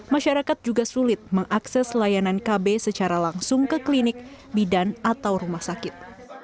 masyarakat juga sulit mengakses layanan kb secara langsung ke klinik bidan atau rumah sakit